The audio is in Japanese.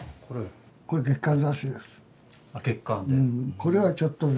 これはちょっとね